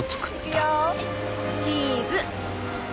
チーズ。